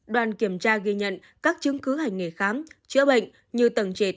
đoàn kiểm tra ghi nhận các chứng cứ hành nghề khám chữa bệnh như tầng trệt